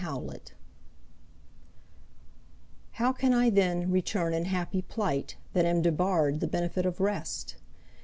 XXVIII How can I then return in happy plight, That am debarre'd the benefit of rest?